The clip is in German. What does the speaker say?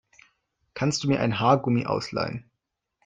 Kannst du mir ein Haargummi ausleihen?